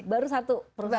baru satu perusahaan